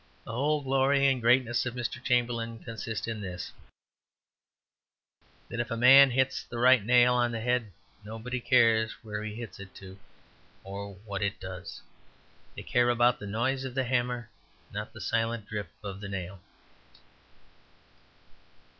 The whole glory and greatness of Mr. Chamberlain consists in this: that if a man hits the right nail on the head nobody cares where he hits it to or what it does. They care about the noise of the hammer, not about the silent drip of the nail.